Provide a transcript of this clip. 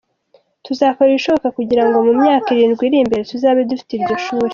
Tuzakora ibishoboka kugira ngo mu myaka irindwi iri imbere tuzabe dufite iryo shuri.